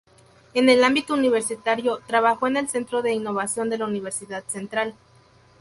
En el ámbito universitario, trabajó en el Centro de Innovación de la Universidad Central.